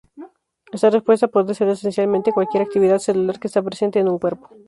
Esta respuesta puede ser esencialmente cualquier actividad celular que está presente en un cuerpo.